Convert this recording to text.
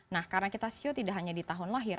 nah karena kita sio tidak hanya di tahun lahir